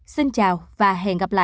xin chào và hẹn gặp lại